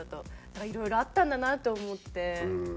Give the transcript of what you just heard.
だからいろいろあったんだなって思って。